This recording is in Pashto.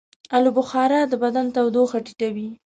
آلوبخارا د بدن تودوخه ټیټوي.